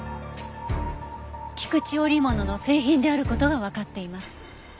菊池織物の製品である事がわかっています。